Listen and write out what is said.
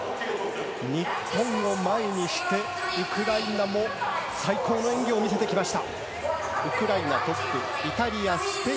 日本を前にしてウクライナも最高の演技を見せてきました。